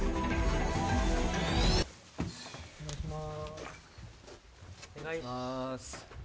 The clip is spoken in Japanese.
お願いします。